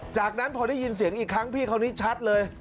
จากนั้นพอได้ยินเสียงอีกครั้งพี่เขานี่ชัดเลย